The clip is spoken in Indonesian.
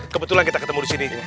kebetulan kita ketemu disini